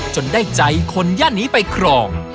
จนได้ใจคนย่านนี้ไปครอง